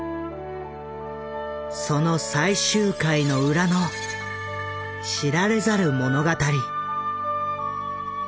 その最終回の裏の知られざる物語。